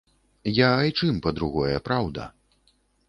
Я айчым, а па-другое, праўда!